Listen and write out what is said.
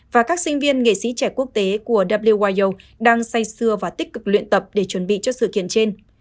và các sinh viên nghệ sĩ trẻ quốc tế của wijo đang say xưa và tích cực luyện tập để chuẩn bị cho sự kiện trên